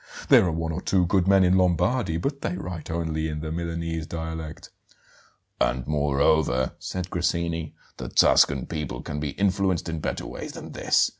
There are one or two good men in Lombardy, but they write only in the Milanese dialect " "And moreover," said Grassini, "the Tuscan people can be influenced in better ways than this.